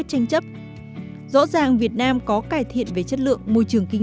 cái thứ ba nơi việt nam cũng cần phát triển